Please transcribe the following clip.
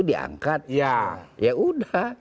diangkat ya udah